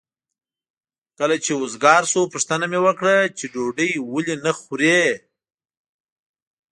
کله چې وزګار شو پوښتنه مې وکړه چې ډوډۍ ولې نه خورې؟